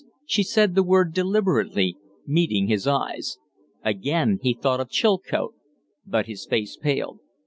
She said the word deliberately, meeting his eyes. Again he thought of Chilcote, but his face paled.